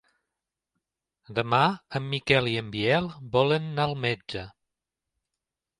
Demà en Miquel i en Biel volen anar al metge.